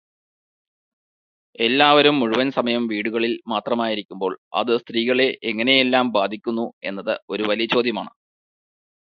എല്ലാവരും മുഴുവൻ സമയം വീടുകളിൽ മാത്രമായിരിക്കുമ്പോൾ അത് സ്ത്രീകളെ എങ്ങനെയെല്ലാം ബാധിക്കുന്നു എന്നത് ഒരു വലിയ ചോദ്യമാണ്.